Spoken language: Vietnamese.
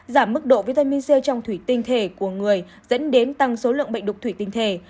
giảm mức độ vitamin c trong thủy tinh thể của người dẫn đến tăng số lượng bệnh đục thủy tinh thể